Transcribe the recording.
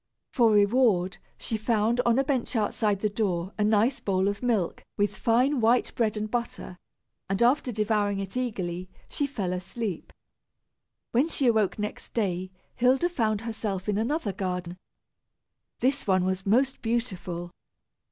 For reward, she found, on a bench outside the door, a nice bowl of milk with fine white bread and butter, and after devouring it eagerly, she fell asleep. When she awoke next day, Hilda found herself in another garden. This one was most beautiful.